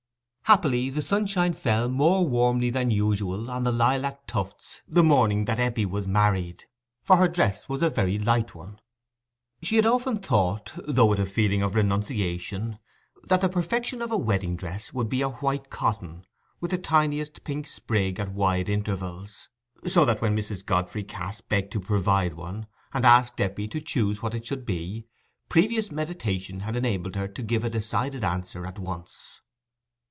Happily the sunshine fell more warmly than usual on the lilac tufts the morning that Eppie was married, for her dress was a very light one. She had often thought, though with a feeling of renunciation, that the perfection of a wedding dress would be a white cotton, with the tiniest pink sprig at wide intervals; so that when Mrs. Godfrey Cass begged to provide one, and asked Eppie to choose what it should be, previous meditation had enabled her to give a decided answer at once.